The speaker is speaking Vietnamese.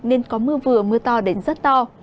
nên có mưa vừa mưa to đến rất to